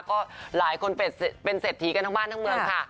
ก็หลายคนเป็นเศรษฐีกันทั้งบ้านทั้งเมืองค่ะ